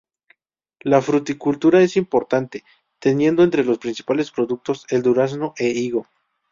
La fruticultura es importante, teniendo entre los principales productos el durazno e higo.